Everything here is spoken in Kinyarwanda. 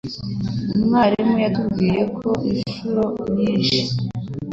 Umwarimu yatubwiye ko inshuro nyinshi.